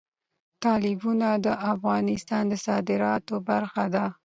تالابونه د افغانستان د صادراتو برخه ده.